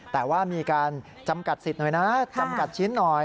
แต่ว่ามีการจำกัดสิทธิ์หน่อยนะจำกัดชิ้นหน่อย